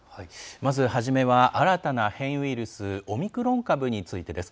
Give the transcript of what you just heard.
まずはじめは新たな変異ウイルスオミクロン株についてです。